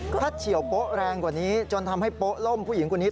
ถ้าเฉียวโป๊ะแรงกว่านี้จนทำให้โป๊ะล่มผู้หญิงคนนี้